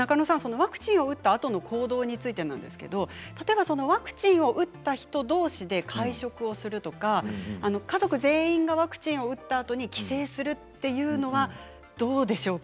ワクチンを打ったあとの行動についてなんですけれどワクチンを打った人どうしで会食をするとか家族全員がワクチンを打ったあとに帰省するというのはどうでしょうか？